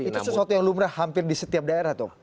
itu sesuatu yang lumrah hampir di setiap daerah tuh